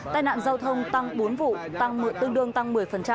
tai nạn giao thông tăng bốn vụ tăng tương đương tăng một mươi